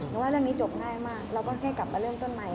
ว่าเรื่องนี้จบง่ายมากเราก็ให้กลับมาเริ่มต้นใหม่